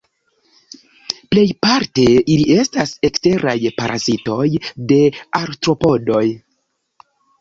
Plejparte ili estas eksteraj parazitoj de artropodoj.